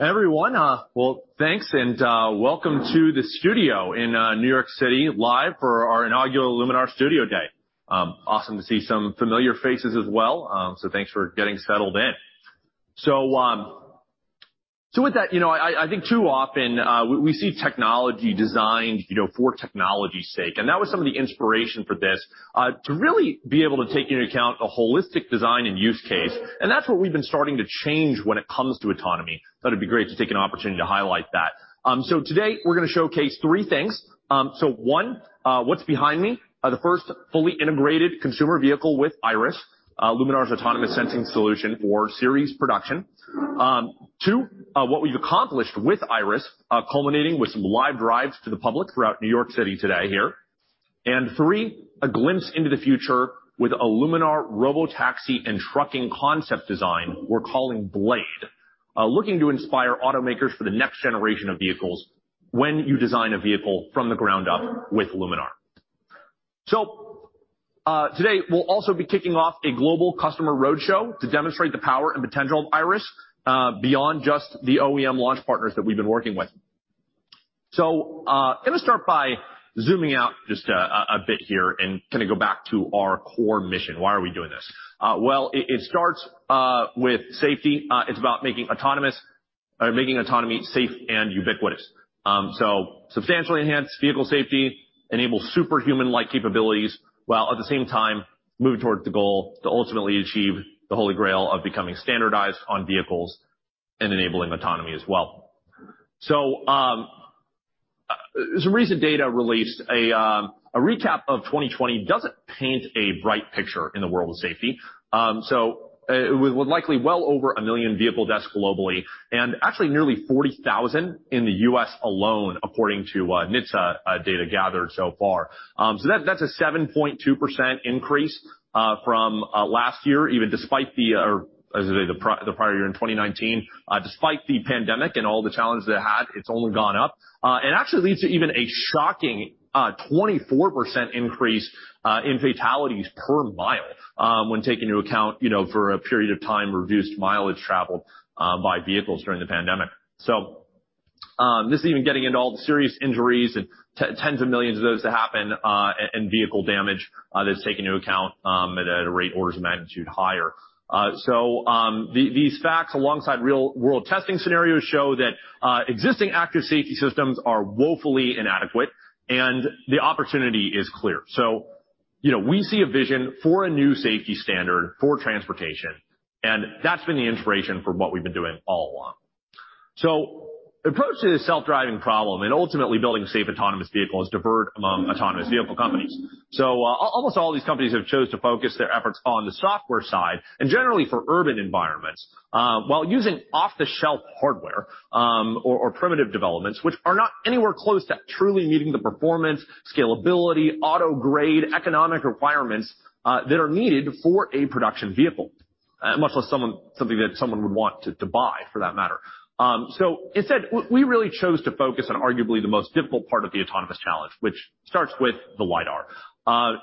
Everyone, thanks, and welcome to the studio in New York City, live for our inaugural Luminar Studio Day. Awesome to see some familiar faces as well, so thanks for getting settled in. With that, you know, I think too often we see technology designed for technology's sake, and that was some of the inspiration for this, to really be able to take into account a holistic design and use case. That's what we've been starting to change when it comes to autonomy. Thought it'd be great to take an opportunity to highlight that. Today we're going to showcase three things. One, what's behind me. The first, fully integrated consumer vehicle with Iris, Luminar's autonomous sensing solution for series production. Two, what we've accomplished with Iris, culminating with some live drives to the public throughout New York City today here. And three, A glimpse into the future with a Luminar robotaxi and trucking concept design we're calling Blade, looking to inspire automakers for the next generation of vehicles when you design a vehicle from the ground up with Luminar. Today we'll also be kicking off a global customer roadshow to demonstrate the power and potential of Iris beyond just the OEM launch partners that we've been working with. I'm going to start by zooming out just a bit here and kind of go back to our core mission. Why are we doing this? It starts with safety. It's about making autonomy safe and ubiquitous. Substantially enhance vehicle safety, enable superhuman-like capabilities, while at the same time move toward the goal to ultimately achieve the holy grail of becoming standardized on vehicles and enabling autonomy as well. Some recent data released, a recap of 2020, does not paint a bright picture in the world of safety. With likely well over a million vehicle deaths globally, and actually nearly 40,000 in the U.S. alone, according to NHTSA data gathered so far, that is a 7.2% increase from last year, or I should say the prior year in 2019. Despite the pandemic and all the challenges it had, it has only gone up. It actually leads to even a shocking 24% increase in fatalities per mile when taking into account, you know, for a period of time reduced mileage traveled by vehicles during the pandemic. This is not even getting into all the serious injuries and tens of millions of those that happen, and vehicle damage that is taken into account at a rate orders of magnitude higher. These facts alongside real-world testing scenarios show that existing active safety systems are woefully inadequate, and the opportunity is clear. You know, we see a vision for a new safety standard for transportation, and that's been the inspiration for what we've been doing all along. The approach to the self-driving problem and ultimately building a safe autonomous vehicle is diverted among autonomous vehicle companies. Almost all these companies have chosen to focus their efforts on the software side and generally for urban environments, while using off-the-shelf hardware or primitive developments, which are not anywhere close to truly meeting the performance, scalability, auto-grade, economic requirements that are needed for a production vehicle, much less something that someone would want to buy for that matter. Instead, we really chose to focus on arguably the most difficult part of the autonomous challenge, which starts with the LiDAR.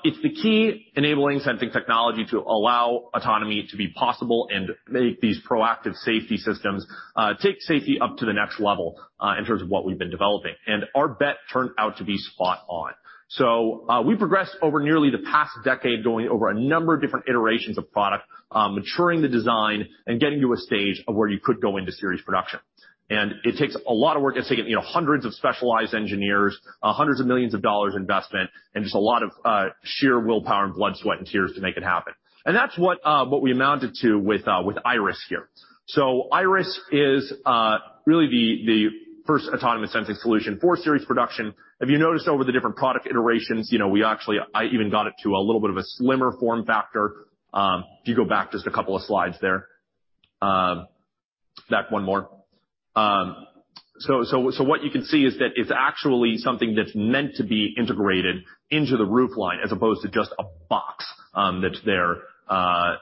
It's the key enabling sensing technology to allow autonomy to be possible and make these proactive safety systems take safety up to the next level in terms of what we've been developing. Our bet turned out to be spot on. We progressed over nearly the past decade going over a number of different iterations of product, maturing the design and getting to a stage of where you could go into series production. It takes a lot of work. It's taken, you know, hundreds of specialized engineers, hundreds of millions of dollars investment, and just a lot of sheer willpower and blood, sweat, and tears to make it happen. That's what we amounted to with Iris here. So Iris is really the first autonomous sensing solution for series production. If you noticed over the different product iterations, you know, we actually even got it to a little bit of a slimmer form factor. If you go back just a couple of slides there, in fact, one more. What you can see is that it's actually something that's meant to be integrated into the roof line as opposed to just a box that's there,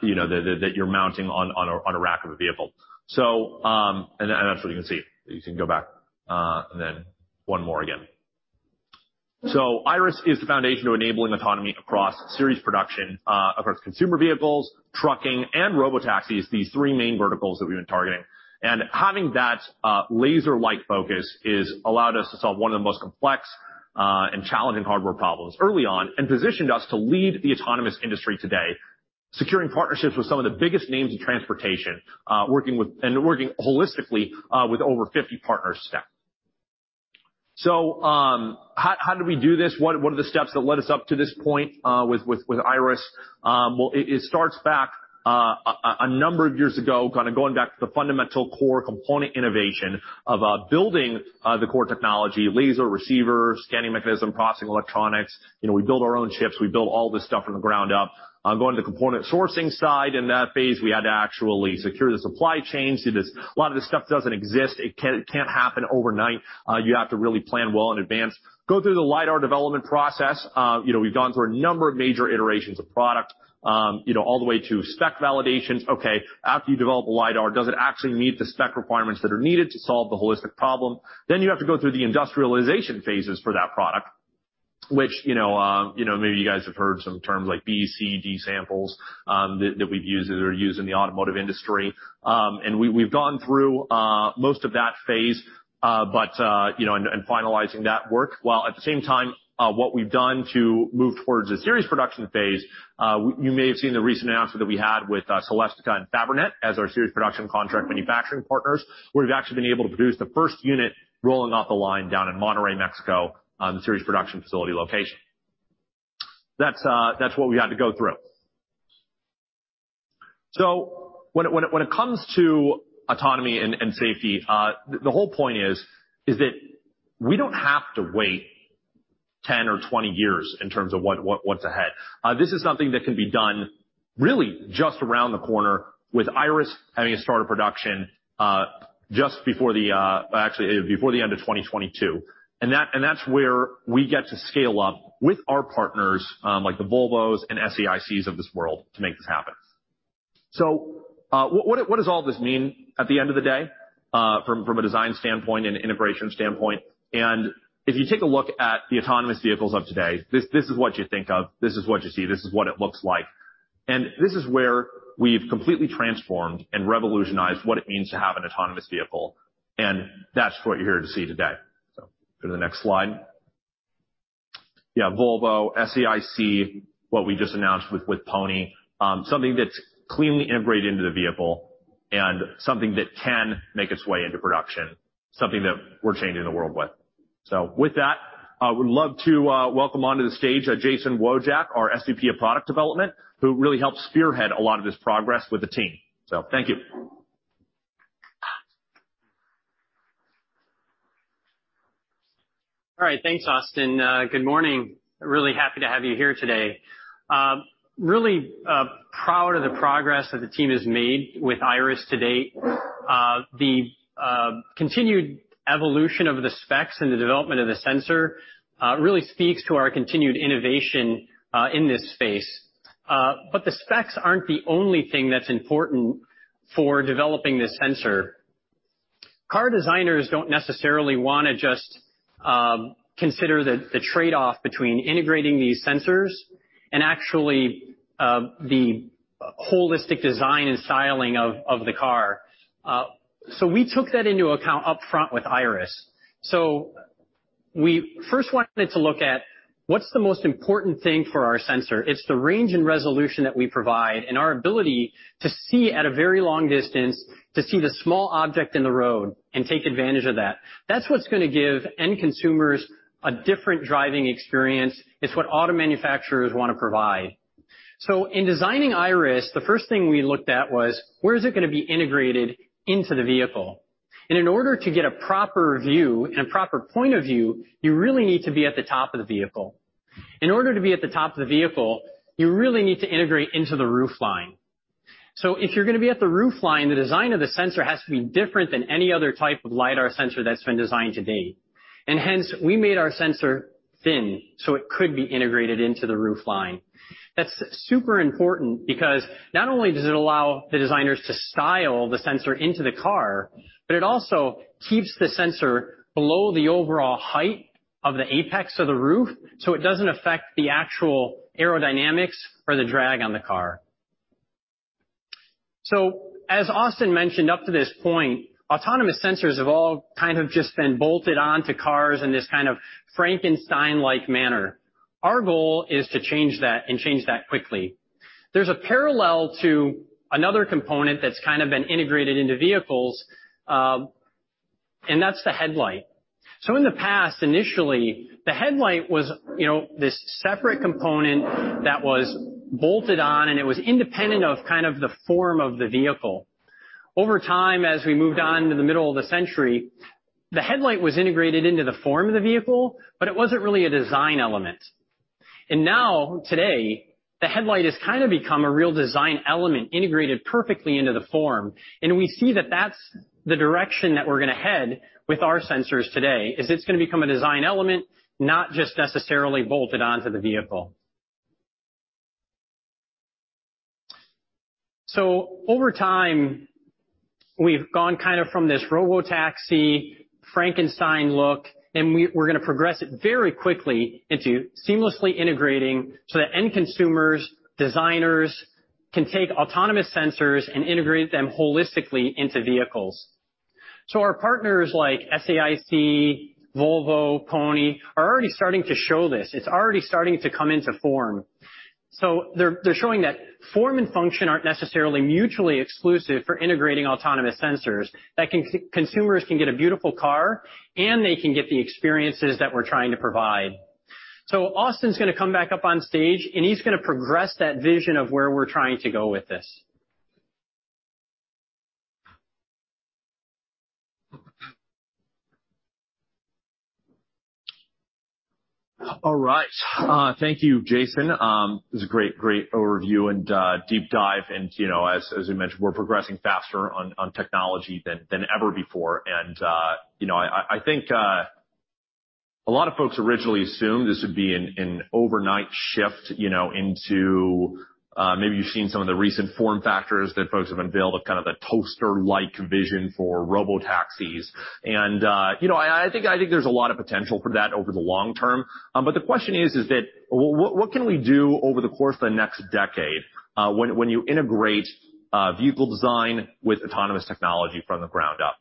you know, that you're mounting on a rack of a vehicle. That's what you can see. You can go back and then one more. So Iris is the foundation to enabling autonomy across series production, across consumer vehicles, trucking, and robotaxis, these three main verticals that we've been targeting. Having that laser-like focus has allowed us to solve one of the most complex and challenging hardware problems early on and positioned us to lead the autonomous industry today, securing partnerships with some of the biggest names in transportation, working holistically with over 50 partners today. How did we do this? What are the steps that led us up to this point with Iris? It starts back a number of years ago, kind of going back to the fundamental core component innovation of building the core technology, laser receiver, scanning mechanism, processing electronics. You know, we build our own chips, we build all this stuff from the ground up. Going to the component sourcing side in that phase, we had to actually secure the supply chain. See, a lot of this stuff does not exist. It cannot happen overnight. You have to really plan well in advance, go through the LiDAR development process. You know, we've gone through a number of major iterations of product, you know, all the way to spec validations. Okay, after you develop a LiDAR, does it actually meet the spec requirements that are needed to solve the holistic problem? You have to go through the industrialization phases for that product, which, you know, maybe you guys have heard some terms like B, C, D samples that we've used that are used in the automotive industry. We've gone through most of that phase, you know, and finalizing that work. While at the same time, what we've done to move towards the series production phase, you may have seen the recent announcement that we had with Celestica and Fabrinet as our series production contract manufacturing partners, where we've actually been able to produce the first unit rolling off the line down in Monterrey, Mexico, the series production facility location. That's what we had to go through. When it comes to autonomy and safety, the whole point is that we don't have to wait 10 or 20 years in terms of what's ahead. This is something that can be done really just around the corner with Iris having a start of production just before the, actually before the end of 2022. That's where we get to scale up with our partners like the Volvos and SAICs of this world to make this happen. What does all this mean at the end of the day from a design standpoint and integration standpoint? If you take a look at the autonomous vehicles of today, this is what you think of, this is what you see, this is what it looks like. This is where we've completely transformed and revolutionized what it means to have an autonomous vehicle. That is what you're here to see today. Go to the next slide. Yeah, Volvo, SAIC, what we just announced with Pony, something that's cleanly integrated into the vehicle and something that can make its way into production, something that we're changing the world with. With that, I would love to welcome onto the stage Jason Wojack, our SVP of Product Development, who really helped spearhead a lot of this progress with the team. Thank you. All right, thanks, Austin. Good morning. Really happy to have you here today. Really proud of the progress that the team has made with Iris to date. The continued evolution of the specs and the development of the sensor really speaks to our continued innovation in this space. The specs are not the only thing that's important for developing this sensor. Car designers do not necessarily want to just consider the trade-off between integrating these sensors and actually the holistic design and styling of the car. We took that into account upfront with Iris. We first wanted to look at what's the most important thing for our sensor. It's the range and resolution that we provide and our ability to see at a very long distance, to see the small object in the road and take advantage of that. That's what's going to give end consumers a different driving experience. It's what auto manufacturers want to provide. In designing Iris, the first thing we looked at was where is it going to be integrated into the vehicle? In order to get a proper view and a proper point of view, you really need to be at the top of the vehicle. In order to be at the top of the vehicle, you really need to integrate into the roof line. If you're going to be at the roof line, the design of the sensor has to be different than any other type of LiDAR sensor that's been designed to date. Hence, we made our sensor thin so it could be integrated into the roof line. That's super important because not only does it allow the designers to style the sensor into the car, but it also keeps the sensor below the overall height of the apex of the roof so it doesn't affect the actual aerodynamics or the drag on the car. As Austin mentioned up to this point, autonomous sensors have all kind of just been bolted onto cars in this kind of Frankenstein-like manner. Our goal is to change that and change that quickly. There's a parallel to another component that's kind of been integrated into vehicles, and that's the headlight. In the past, initially, the headlight was, you know, this separate component that was bolted on and it was independent of kind of the form of the vehicle. Over time, as we moved on to the middle of the century, the headlight was integrated into the form of the vehicle, but it wasn't really a design element. Now today, the headlight has kind of become a real design element integrated perfectly into the form. We see that that's the direction that we're going to head with our sensors today. It's going to become a design element, not just necessarily bolted onto the vehicle. Over time, we've gone kind of from this robotaxi Frankenstein look, and we're going to progress it very quickly into seamlessly integrating so that end consumers, designers can take autonomous sensors and integrate them holistically into vehicles. Our partners like SAIC, Volvo, Pony are already starting to show this. It's already starting to come into form. They're showing that form and function aren't necessarily mutually exclusive for integrating autonomous sensors. That consumers can get a beautiful car and they can get the experiences that we're trying to provide. So Austin's going to come back up on stage and he's going to progress that vision of where we're trying to go with this. All right. Thank you, Jason. This is a great, great overview and deep dive. And, you know, as you mentioned, we're progressing faster on technology than ever before. And, you know, I think a lot of folks originally assumed this would be an overnight shift, you know, into maybe you've seen some of the recent form factors that folks have unveiled of kind of the toaster-like vision for robotaxis. And, you know, I think there's a lot of potential for that over the long term. But the question is, is that what can we do over the course of the next decade when you integrate vehicle design with autonomous technology from the ground up?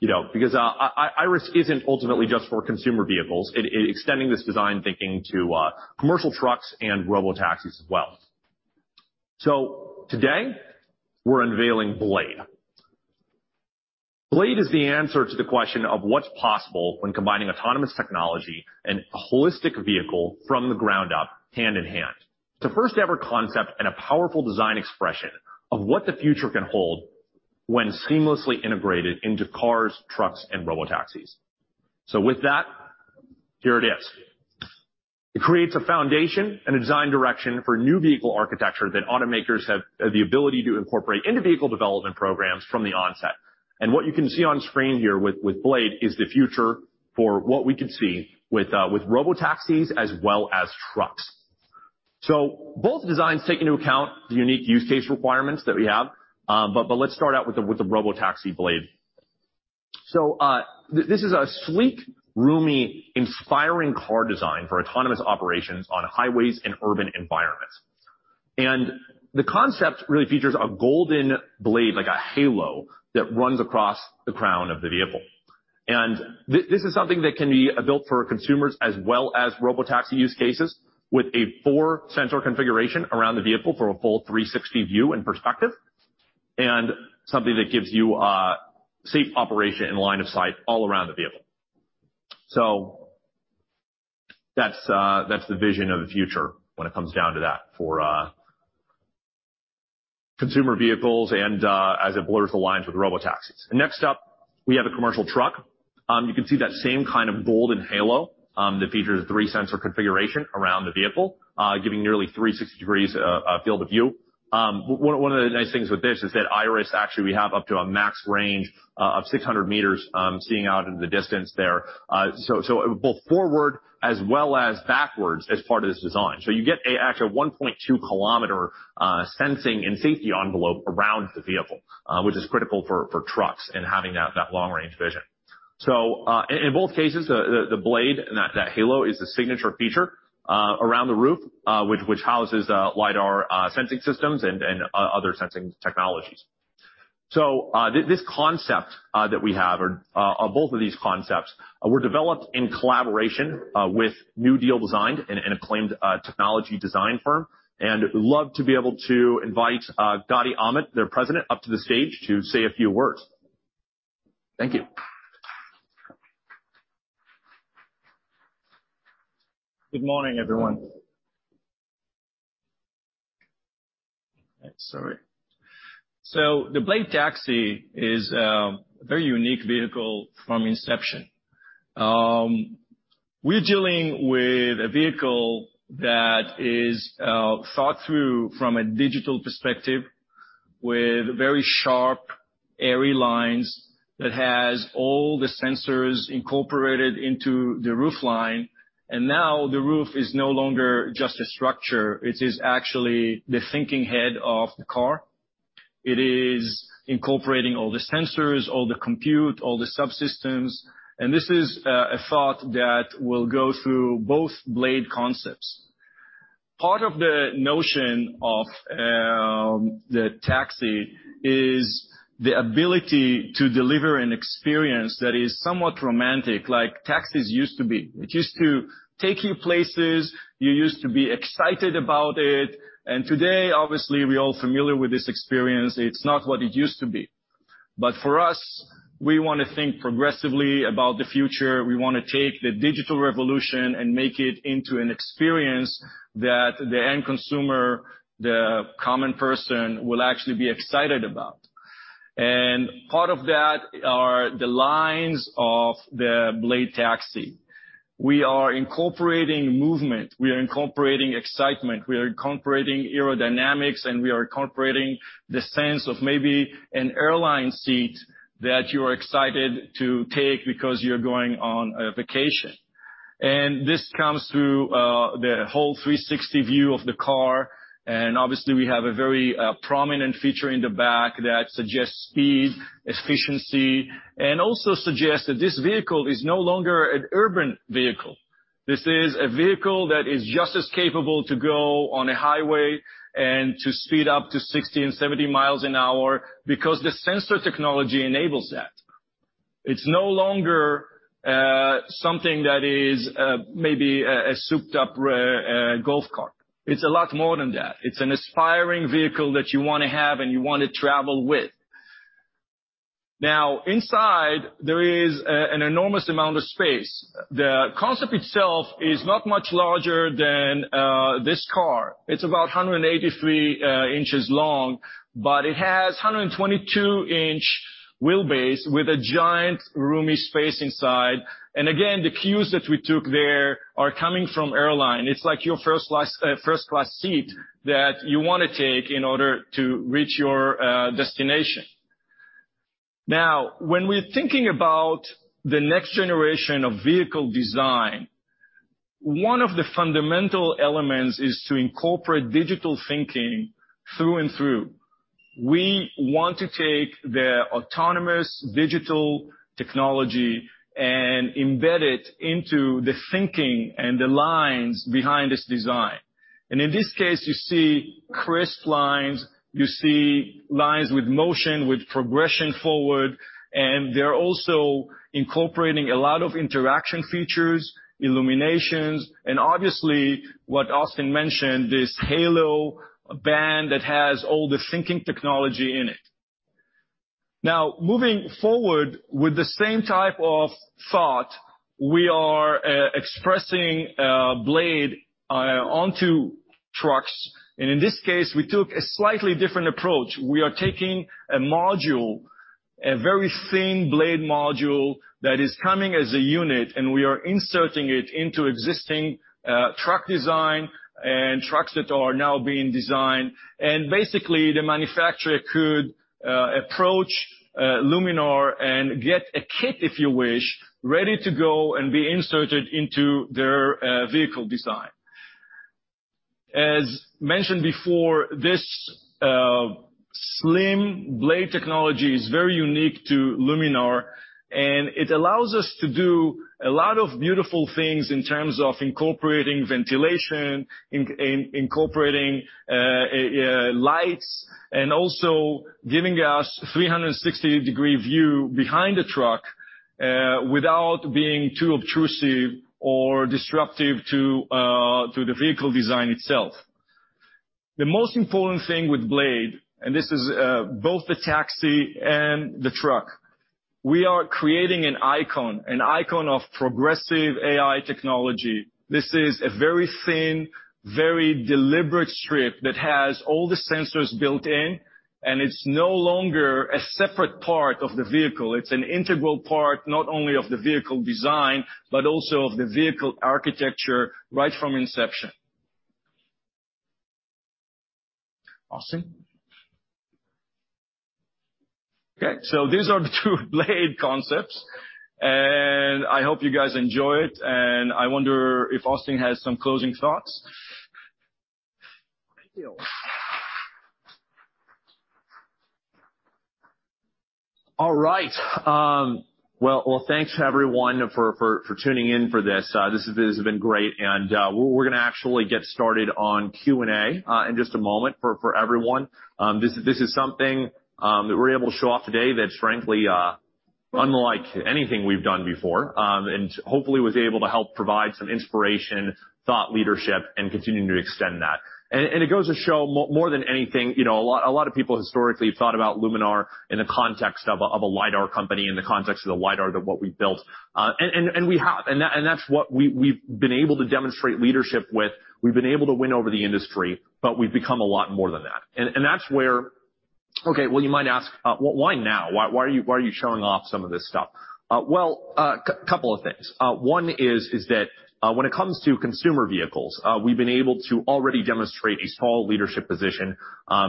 You know, because Iris isn't ultimately just for consumer vehicles. It's extending this design thinking to commercial trucks and robotaxis as well. So today, we're unveiling Blade. Blade is the answer to the question of what's possible when combining autonomous technology and a holistic vehicle from the ground up hand in hand. It's a first-ever concept and a powerful design expression of what the future can hold when seamlessly integrated into cars, trucks, and robotaxis. With that, here it is. It creates a foundation and a design direction for new vehicle architecture that automakers have the ability to incorporate into vehicle development programs from the onset. What you can see on screen here with Blade is the future for what we could see with robotaxis as well as trucks. Both designs take into account the unique use case requirements that we have, but let's start out with the robotaxi Blade. This is a sleek, roomy, inspiring car design for autonomous operations on highways and urban environments. The concept really features a golden blade, like a halo that runs across the crown of the vehicle. This is something that can be built for consumers as well as robotaxi use cases with a four-sensor configuration around the vehicle for a full 360 view and perspective, and something that gives you safe operation in line of sight all around the vehicle. That is the vision of the future when it comes down to that for consumer vehicles and as it blurs the lines with robotaxis. Next up, we have a commercial truck. You can see that same kind of golden halo that features a three-sensor configuration around the vehicle, giving nearly 360 degrees of field of view. One of the nice things with this is that Iris actually has up to a max range of 600 meters seeing out into the distance there. Both forward as well as backwards as part of this design, you get actually a 1.2 km sensing and safety envelope around the vehicle, which is critical for trucks and having that long range vision. In both cases, the Blade and that HALO is the signature feature around the roof, which houses LiDAR sensing systems and other sensing technologies. This concept that we have, or both of these concepts, were developed in collaboration with NewDealDesign, an acclaimed technology design firm. I'd love to be able to invite Gadi Amit, their President, up to the stage to say a few words. Thank you. Good morning, everyone. The Blade Taxi is a very unique vehicle from inception. We're dealing with a vehicle that is thought through from a digital perspective with very sharp, airy lines that has all the sensors incorporated into the roof line. Now the roof is no longer just a structure. It is actually the thinking head of the car. It is incorporating all the sensors, all the compute, all the subsystems. This is a thought that will go through both Blade concepts. Part of the notion of the taxi is the ability to deliver an experience that is somewhat romantic, like taxis used to be. It used to take you places. You used to be excited about it. Today, obviously, we're all familiar with this experience. It's not what it used to be. For us, we want to think progressively about the future. We want to take the digital revolution and make it into an experience that the end consumer, the common person, will actually be excited about. Part of that are the lines of the Blade Taxi. We are incorporating movement. We are incorporating excitement. We are incorporating aerodynamics, and we are incorporating the sense of maybe an airline seat that you're excited to take because you're going on a vacation. This comes through the whole 360 view of the car. Obviously, we have a very prominent feature in the back that suggests speed, efficiency, and also suggests that this vehicle is no longer an urban vehicle. This is a vehicle that is just as capable to go on a highway and to speed up to 60 mi and 70 mi an hour because the sensor technology enables that. It's no longer something that is maybe a souped-up golf cart. It's a lot more than that. It's an aspiring vehicle that you want to have and you want to travel with. Now, inside, there is an enormous amount of space. The concept itself is not much larger than this car. It's about 183 in long, but it has a 122-in wheelbase with a giant roomy space inside. Again, the cues that we took there are coming from airline. It's like your first-class seat that you want to take in order to reach your destination. Now, when we're thinking about the next generation of vehicle design, one of the fundamental elements is to incorporate digital thinking through and through. We want to take the autonomous digital technology and embed it into the thinking and the lines behind this design. In this case, you see crisp lines. You see lines with motion, with progression forward. They are also incorporating a lot of interaction features, illuminations, and obviously, what Austin mentioned, this HALO band that has all the thinking technology in it. Now, moving forward with the same type of thought, we are expressing Blade onto trucks. In this case, we took a slightly different approach. We are taking a module, a very thin Blade module that is coming as a unit, and we are inserting it into existing truck design and trucks that are now being designed. Basically, the manufacturer could approach Luminar and get a kit, if you wish, ready to go and be inserted into their vehicle design. As mentioned before, this slim Blade technology is very unique to Luminar, and it allows us to do a lot of beautiful things in terms of incorporating ventilation, incorporating lights, and also giving us a 360-degree view behind the truck without being too obtrusive or disruptive to the vehicle design itself. The most important thing with Blade, and this is both the taxi and the truck, we are creating an icon, an icon of progressive AI technology. This is a very thin, very deliberate strip that has all the sensors built in, and it's no longer a separate part of the vehicle. It's an integral part not only of the vehicle design, but also of the vehicle architecture right from inception. Austin. Okay, these are the two Blade concepts. I hope you guys enjoy it. I wonder if Austin has some closing thoughts. All right. Thanks everyone for tuning in for this. This has been great. We are going to actually get started on Q&A in just a moment for everyone. This is something that we are able to show off today that is frankly unlike anything we have done before and hopefully was able to help provide some inspiration, thought leadership, and continue to extend that. It goes to show more than anything, you know, a lot of people historically have thought about Luminar in the context of a LiDAR company, in the context of the LiDAR that we built. That is what we have been able to demonstrate leadership with. We have been able to win over the industry, but we have become a lot more than that. That is where, okay, you might ask, why now? Why are you showing off some of this stuff? A couple of things. One is that when it comes to consumer vehicles, we've been able to already demonstrate a strong leadership position.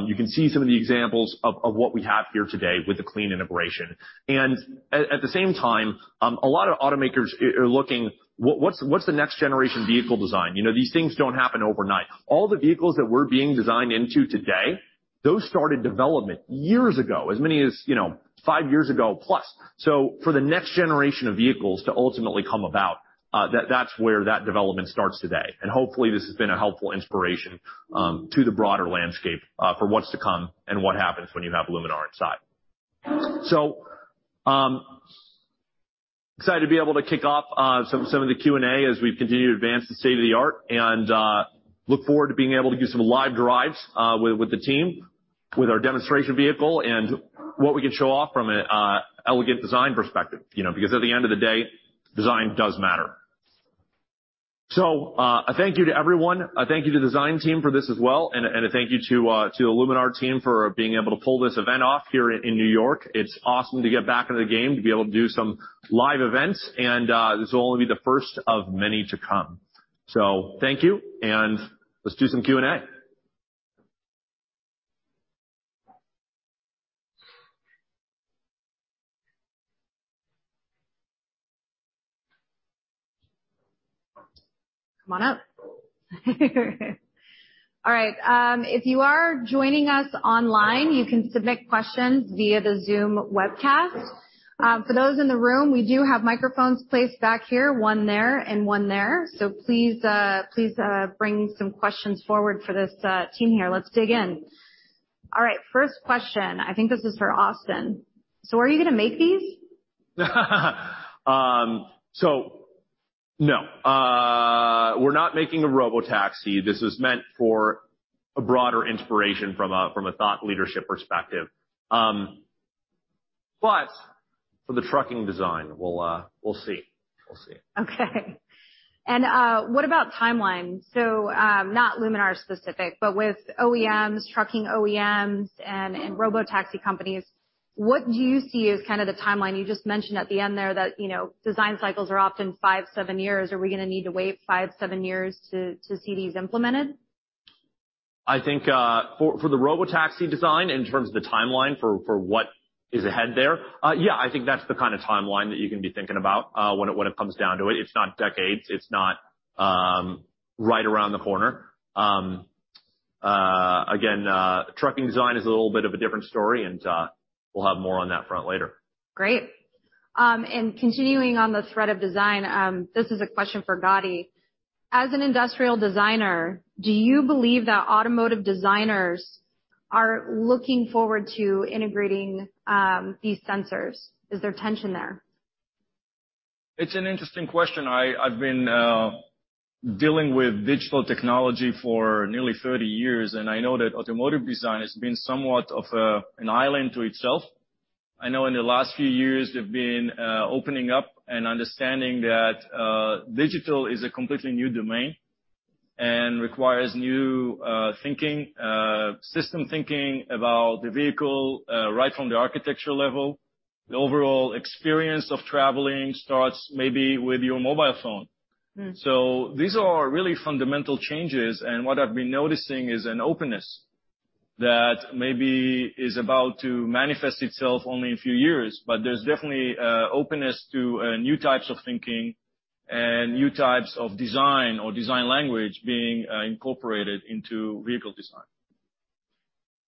You can see some of the examples of what we have here today with the clean integration. At the same time, a lot of automakers are looking, what's the next generation vehicle design? You know, these things don't happen overnight. All the vehicles that we're being designed into today, those started development years ago, as many as, you know, five years ago plus. For the next generation of vehicles to ultimately come about, that's where that development starts today. Hopefully, this has been a helpful inspiration to the broader landscape for what's to come and what happens when you have Luminar inside. So excited to be able to kick off some of the Q&A as we continue to advance the state of the art and look forward to being able to do some live drives with the team, with our demonstration vehicle and what we can show off from an elegant design perspective, you know, because at the end of the day, design does matter. I thank you to everyone. I thank you to the design team for this as well. I thank you to the Luminar team for being able to pull this event off here in New York. It's awesome to get back into the game, to be able to do some live events. This will only be the first of many to come. Thank you. Let's do some Q&A. Come on up. All right. If you are joining us online, you can submit questions via the Zoom webcast. For those in the room, we do have microphones placed back here, one there and one there. Please bring some questions forward for this team here. Let's dig in. All right, first question. I think this is for Austin. Are you going to make these? No, we're not making a robotaxi. This is meant for a broader inspiration from a thought leadership perspective. For the trucking design, we'll see. We'll see. Okay. And what about timeline? Not Luminar specific, but with OEMs, trucking OEMs and robotaxi companies, what do you see as kind of the timeline? You just mentioned at the end there that, you know, design cycles are often five, seven years. Are we going to need to wait five, seven years to see these implemented? I think for the robotaxi design, in terms of the timeline for what is ahead there, yeah, I think that's the kind of timeline that you can be thinking about when it comes down to it. It's not decades. It's not right around the corner. Again, trucking design is a little bit of a different story. We'll have more on that front later. Great. Continuing on the thread of design, this is a question for Gadi. As an industrial designer, do you believe that automotive designers are looking forward to integrating these sensors? Is there tension there? It's an interesting question. I've been dealing with digital technology for nearly 30 years. I know that automotive design has been somewhat of an island to itself. I know in the last few years, they've been opening up and understanding that digital is a completely new domain and requires new thinking, system thinking about the vehicle right from the architecture level. The overall experience of traveling starts maybe with your mobile phone. These are really fundamental changes. What I've been noticing is an openness that maybe is about to manifest itself only in a few years. There's definitely openness to new types of thinking and new types of design or design language being incorporated into vehicle design.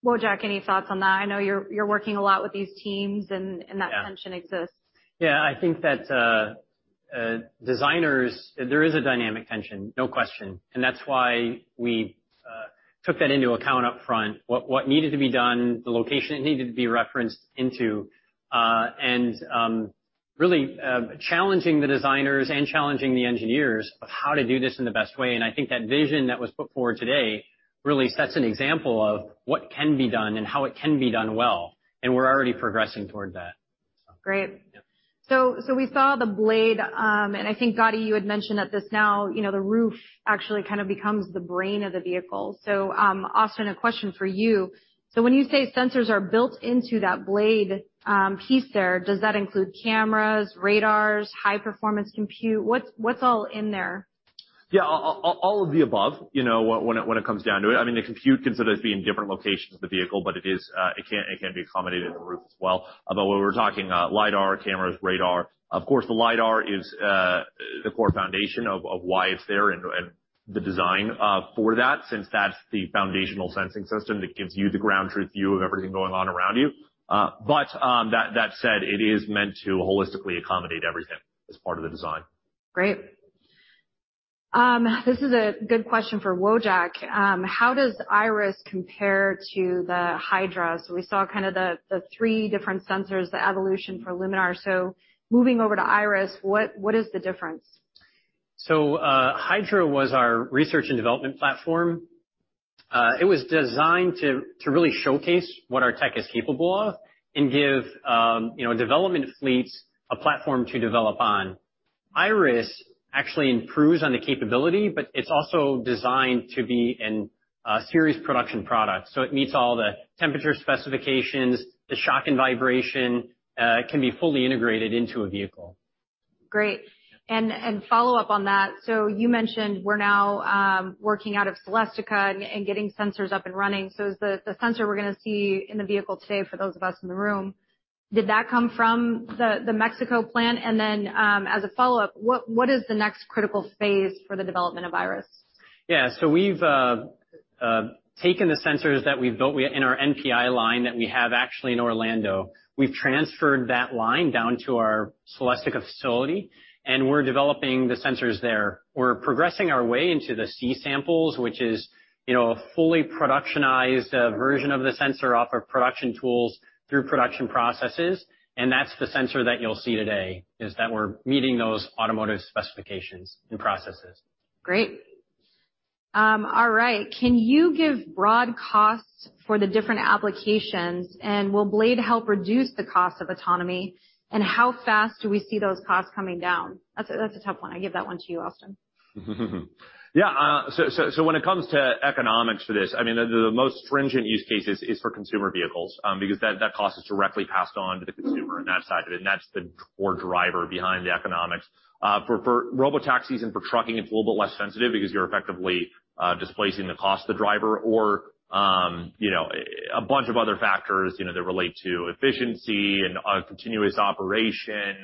Wojack, any thoughts on that? I know you're working a lot with these teams and that tension exists. Yeah, I think that designers, there is a dynamic tension, no question. That is why we took that into account upfront, what needed to be done, the location it needed to be referenced into, and really challenging the designers and challenging the engineers of how to do this in the best way. I think that vision that was put forward today really sets an example of what can be done and how it can be done well. We are already progressing toward that. Great. We saw the Blade. I think, Gadi, you had mentioned that this now, you know, the roof actually kind of becomes the brain of the vehicle so Austin, a question for you. When you say sensors are built into that Blade piece there, does that include cameras, radars, high-performance compute? What's all in there? Yeah, all of the above, you know, when it comes down to it. I mean, the compute can sort of be in different locations of the vehicle, but it can be accommodated in the roof as well. When we're talking LiDAR, cameras, radar, of course, the LiDAR is the core foundation of why it's there and the design for that, since that's the foundational sensing system that gives you the ground truth view of everything going on around you. That said, it is meant to holistically accommodate everything as part of the design. Great. This is a good question for Wojack. How does Iris compare to the Hydra? We saw kind of the three different sensors, the evolution for Luminar. Moving over to Iris, what is the difference? Hydra was our research and development platform. It was designed to really showcase what our tech is capable of and give, you know, development fleets a platform to develop on. Iris actually improves on the capability, but it's also designed to be a series production product. It meets all the temperature specifications, the shock and vibration, can be fully integrated into a vehicle. Great. And follow up on that. You mentioned we're now working out of Celestica and getting sensors up and running. Is the sensor we're going to see in the vehicle today, for those of us in the room, did that come from the Mexico plant? As a follow-up, what is the next critical phase for the development of Iris? Yeah, so we've taken the sensors that we've built in our NPI line that we have actually in Orlando. We've transferred that line down to our Celestica facility. We're developing the sensors there. We're progressing our way into the C samples, which is, you know, a fully productionized version of the sensor off of production tools through production processes. That's the sensor that you'll see today is that we're meeting those automotive specifications and processes. Great. All right. Can you give broad costs for the different applications? and Will Blade help reduce the cost of autonomy and How fast do we see those costs coming down? That's a tough one. I give that one to you, Austin. Yeah, so when it comes to economics for this, I mean, the most stringent use case is for consumer vehicles because that cost is directly passed on to the consumer on that side. That's the core driver behind the economics. For robotaxis and for trucking, it's a little bit less sensitive because you're effectively displacing the cost of the driver or, you know, a bunch of other factors, you know, that relate to efficiency and continuous operation,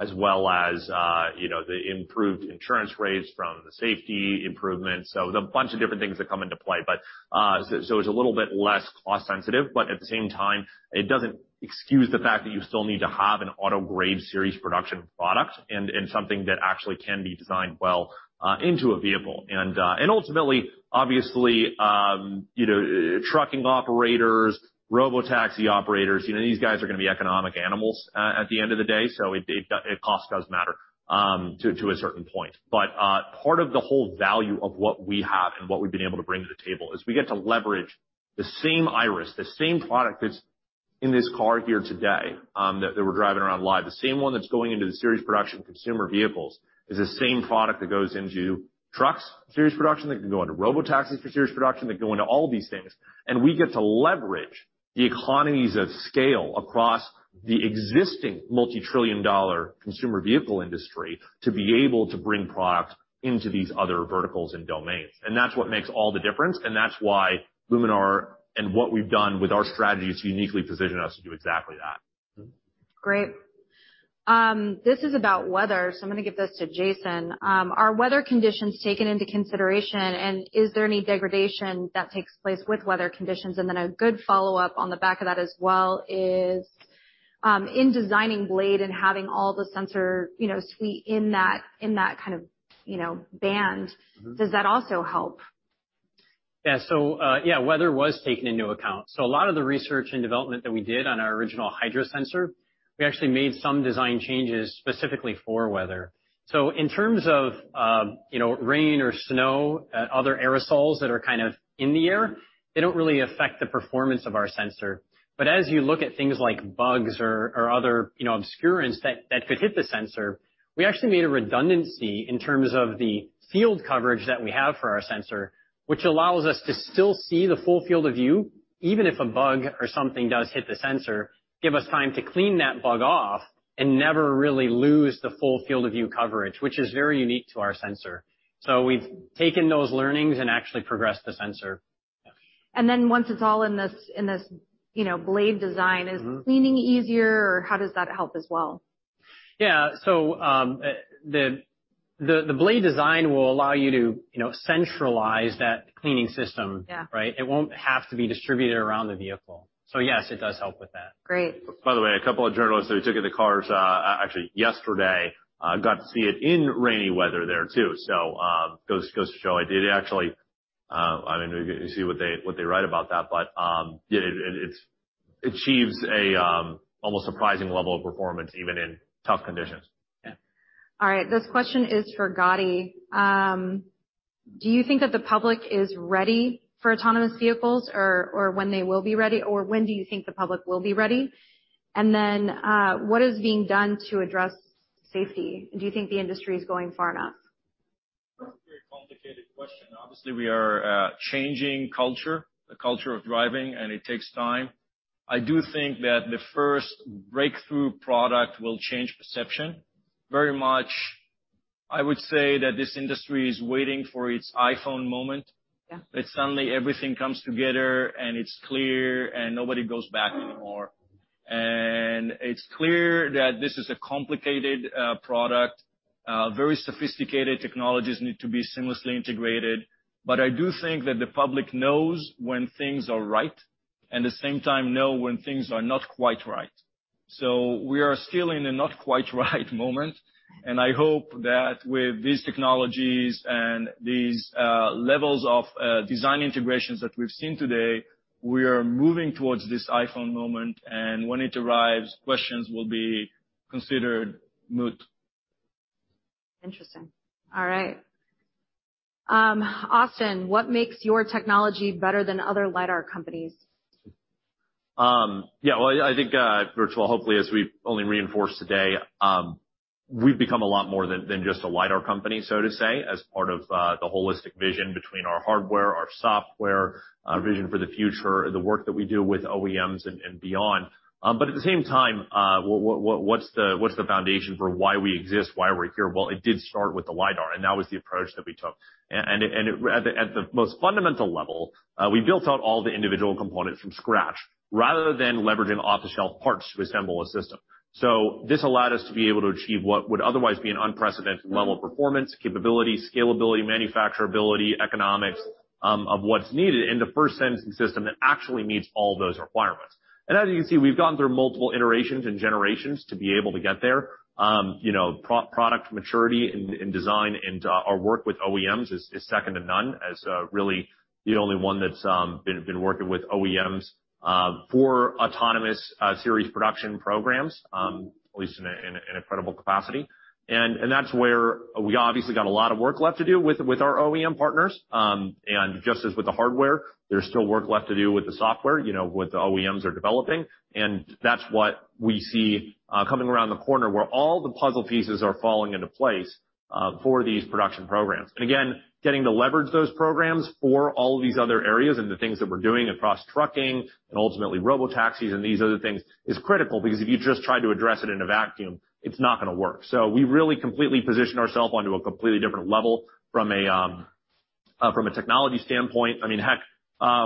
as well as, you know, the improved insurance rates from the safety improvements. There's a bunch of different things that come into play. It's a little bit less cost sensitive. At the same time, it doesn't excuse the fact that you still need to have an auto-grade series production product and something that actually can be designed well into a vehicle. Ultimately, obviously, you know, trucking operators, robotaxi operators, you know, these guys are going to be economic animals at the end of the day. Cost does matter to a certain point. Part of the whole value of what we have and what we've been able to bring to the table is we get to leverage the same Iris, the same product that's in this car here today that we're driving around live, the same one that's going into the series production consumer vehicles is the same product that goes into trucks series production that can go into robotaxis for series production that go into all these things. We get to leverage the economies of scale across the existing multi-trillion dollar consumer vehicle industry to be able to bring product into these other verticals and domains. That's what makes all the difference. That is why Luminar and what we have done with our strategy is to uniquely position us to do exactly that. Great. This is about weather. I'm going to give this to Jason. Are weather conditions taken into consideration? Is there any degradation that takes place with weather conditions? A good follow-up on the back of that as well is, in designing Blade and having all the sensor, you know, suite in that kind of, you know, band, does that also help? Yeah, so yeah, weather was taken into account. A lot of the research and development that we did on our original Hydra sensor, we actually made some design changes specifically for weather. In terms of, you know, rain or snow and other aerosols that are kind of in the air, they do not really affect the performance of our sensor. As you look at things like bugs or other, you know, obscurance that could hit the sensor, we actually made a redundancy in terms of the field coverage that we have for our sensor, which allows us to still see the full field of view, even if a bug or something does hit the sensor, give us time to clean that bug off and never really lose the full field of view coverage, which is very unique to our sensor. We've taken those learnings and actually progressed the sensor. Once it's all in this, you know, Blade design, is cleaning easier or how does that help as well? Yeah, so the Blade design will allow you to, you know, centralize that cleaning system, right? It won't have to be distributed around the vehicle. Yes, it does help with that. Great. By the way, a couple of journalists who took it to the cars actually yesterday got to see it in rainy weather there too. Goes to show it did actually, I mean, you see what they write about that. It achieves an almost surprising level of performance even in tough conditions. Yeah. All right. This question is for Gadi. Do you think that the public is ready for autonomous vehicles or when they will be ready? Or when do you think the public will be ready? What is being done to address safety? Do you think the industry is going far enough? That's a very complicated question. Obviously, we are changing culture, the culture of driving, and it takes time. I do think that the first breakthrough product will change perception very much. I would say that this industry is waiting for its iPhone moment. Suddenly everything comes together and it's clear and nobody goes back anymore. It's clear that this is a complicated product. Very sophisticated technologies need to be seamlessly integrated. I do think that the public knows when things are right and at the same time know when things are not quite right. We are still in the not quite right moment. I hope that with these technologies and these levels of design integrations that we've seen today, we are moving towards this iPhone moment. When it arrives, questions will be considered moot. Interesting. All right. Austin, what makes your technology better than other LiDAR companies? Yeah, I think virtual, hopefully, as we only reinforced today, we've become a lot more than just a LiDAR company, so to say, as part of the holistic vision between our hardware, our software, our vision for the future, the work that we do with OEMs and beyond. At the same time, what's the foundation for why we exist, why we're here? It did start with the LiDAR. That was the approach that we took. At the most fundamental level, we built out all the individual components from scratch rather than leveraging off-the-shelf parts to assemble a system. This allowed us to be able to achieve what would otherwise be an unprecedented level of performance, capability, scalability, manufacturability, economics of what's needed in the first sensing system that actually meets all those requirements. As you can see, we've gone through multiple iterations and generations to be able to get there. You know, product maturity and design and our work with OEMs is second to none as really the only one that's been working with OEMs for autonomous series production programs, at least in an incredible capacity. That's where we obviously got a lot of work left to do with our OEM partners. Just as with the hardware, there's still work left to do with the software, you know, what the OEMs are developing. That's what we see coming around the corner where all the puzzle pieces are falling into place for these production programs. Again, getting to leverage those programs for all of these other areas and the things that we're doing across trucking and ultimately robotaxis and these other things is critical because if you just try to address it in a vacuum, it's not going to work. We really completely positioned ourselves onto a completely different level from a technology standpoint. I mean, heck,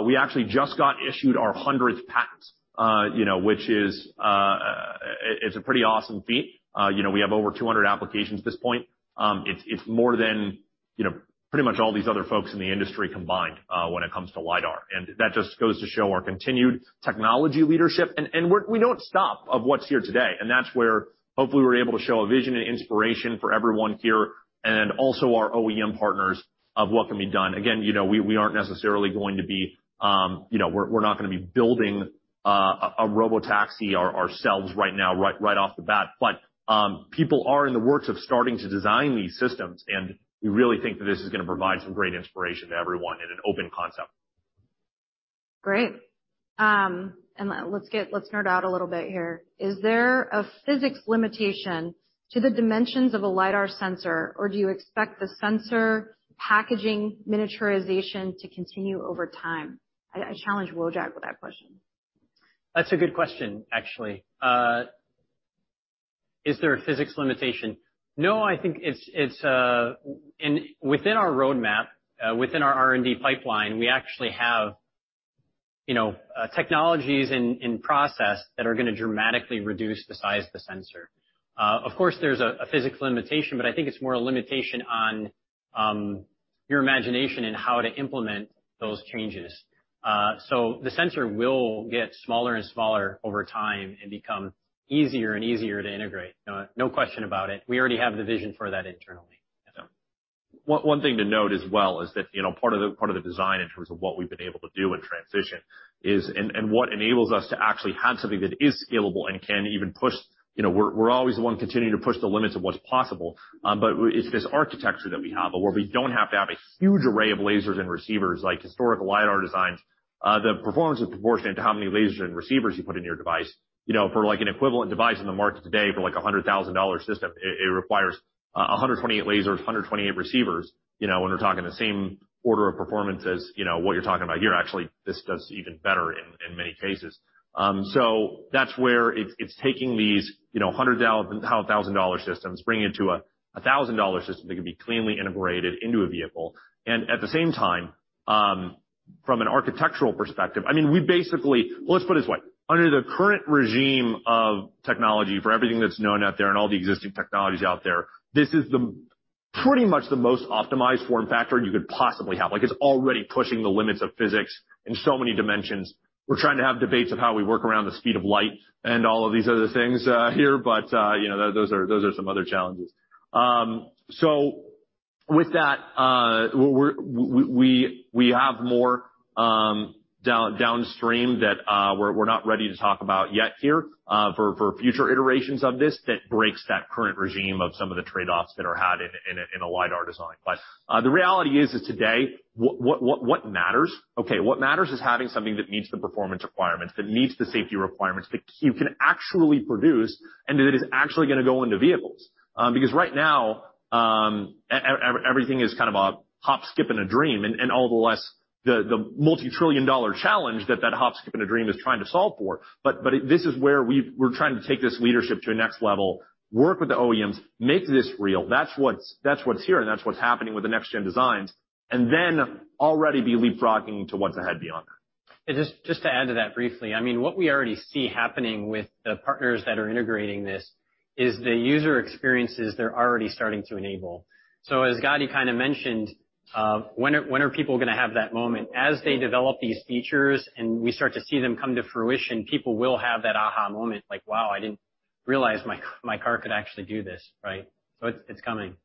we actually just got issued our hundredth patent, you know, which is a pretty awesome feat. You know, we have over 200 applications at this point. It's more than, you know, pretty much all these other folks in the industry combined when it comes to LiDAR. That just goes to show our continued technology leadership. We don't stop of what's here today. That is where hopefully we're able to show a vision and inspiration for everyone here and also our OEM partners of what can be done. Again, you know, we aren't necessarily going to be, you know, we're not going to be building a robotaxi ourselves right now right off the bat. People are in the works of starting to design these systems. We really think that this is going to provide some great inspiration to everyone and an open concept. Great. Let's nerd out a little bit here. Is there a physics limitation to the dimensions of a LiDAR sensor, or do you expect the sensor packaging miniaturization to continue over time? I challenge Wojack with that question. That's a good question, actually. Is there a physics limitation? No, I think it's, and within our roadmap, within our R&D pipeline, we actually have, you know, technologies in process that are going to dramatically reduce the size of the sensor. Of course, there's a physics limitation, but I think it's more a limitation on your imagination and how to implement those changes. The sensor will get smaller and smaller over time and become easier and easier to integrate. No question about it. We already have the vision for that internally. One thing to note as well is that, you know, part of the design in terms of what we've been able to do in transition is, and what enables us to actually have something that is scalable and can even push, you know, we're always the one continuing to push the limits of what's possible. It is this architecture that we have where we don't have to have a huge array of lasers and receivers like historical LiDAR designs. The performance is proportionate to how many lasers and receivers you put in your device. You know, for like an equivalent device in the market today for like a $100,000 system, it requires 128 lasers, 128 receivers, you know, when we're talking the same order of performance as, you know, what you're talking about here, actually this does even better in many cases. That's where it's taking these, you know, $100,000, $1,000 systems, bringing it to a $1,000 system that can be cleanly integrated into a vehicle. At the same time, from an architectural perspective, I mean, we basically, well, let's put it this way. Under the current regime of technology for everything that's known out there and all the existing technologies out there, this is pretty much the most optimized form factor you could possibly have. Like it's already pushing the limits of physics in so many dimensions. We're trying to have debates of how we work around the speed of light and all of these other things here. You know, those are some other challenges. With that, we have more downstream that we're not ready to talk about yet here for future iterations of this that breaks that current regime of some of the trade-offs that are had in a LiDAR design. The reality is that today, what matters, okay, what matters is having something that meets the performance requirements, that meets the safety requirements, that you can actually produce and that is actually going to go into vehicles. Because right now, everything is kind of a hop, skip, and a dream, and all the less the multi-trillion dollar challenge that that hop, skip, and a dream is trying to solve for. This is where we're trying to take this leadership to a next level, work with the OEMs, make this real. That's what's here. That's what's happening with the next-gen designs. Already be leapfrogging to what's ahead beyond that. Just to add to that briefly, I mean, what we already see happening with the partners that are integrating this is the user experiences they're already starting to enable. As Gadi kind of mentioned, when are people going to have that moment? As they develop these features and we start to see them come to fruition, people will have that aha moment, like, wow, I didn't realize my car could actually do this, right? It is coming.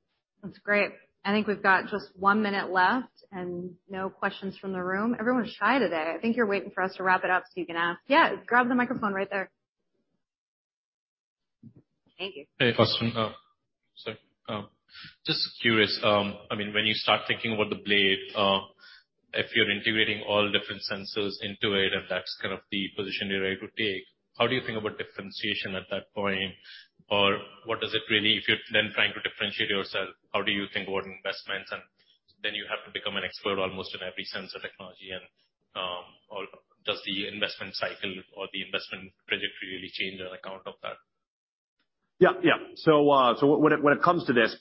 That's great. I think we've got just one minute left and no questions from the room. Everyone's shy today. I think you're waiting for us to wrap it up so you can ask. Yeah, grab the microphone right there. Thank you. Hey, Austin. Just curious. I mean, when you start thinking about the Blade, if you're integrating all different sensors into it, if that's kind of the position you're able to take, how do you think about differentiation at that point? What does it really, if you're then trying to differentiate yourself, how do you think about investments? You have to become an expert almost in every sensor technology. Does the investment cycle or the investment trajectory really change on account of that? Yeah, yeah. When it comes to this,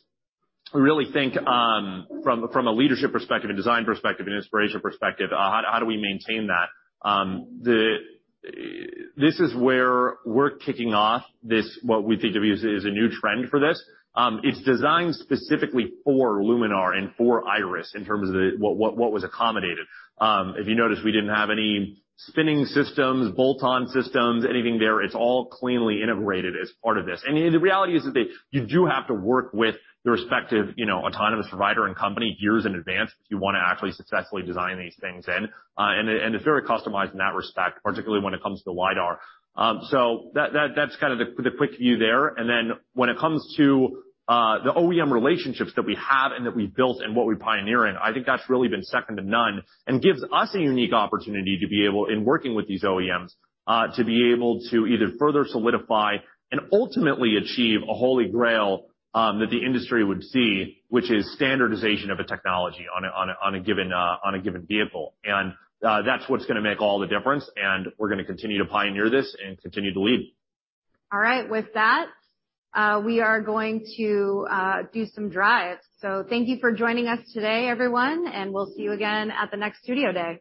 we really think from a leadership perspective, a design perspective, an inspiration perspective, how do we maintain that? This is where we're kicking off this, what we think of as a new trend for this. It's designed specifically for Luminar and for Iris in terms of what was accommodated. If you notice, we didn't have any spinning systems, bolt-on systems, anything there. It's all cleanly integrated as part of this. The reality is that you do have to work with the respective, you know, autonomous provider and company years in advance if you want to actually successfully design these things. It's very customized in that respect, particularly when it comes to LiDAR. That's kind of the quick view there. When it comes to the OEM relationships that we have and that we've built and what we're pioneering, I think that's really been second to none and gives us a unique opportunity to be able, in working with these OEMs, to be able to either further solidify and ultimately achieve a holy grail that the industry would see, which is standardization of a technology on a given vehicle. That's what's going to make all the difference. We're going to continue to pioneer this and continue to lead. All right. With that, we are going to do some drives. Thank you for joining us today, everyone. We will see you again at the next Studio Day.